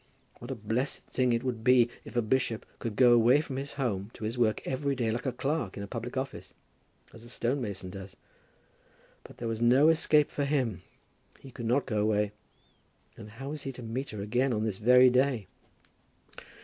What a blessed thing it would be if a bishop could go away from his home to his work every day like a clerk in a public office, as a stone mason does! But there was no such escape for him. He could not go away. And how was he to meet her again on this very day?